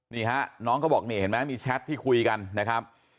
นี่ฮะน้องเขาบอกนี่เห็นไหมมีแชทที่คุยกันนะครับ